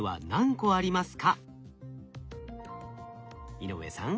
井上さん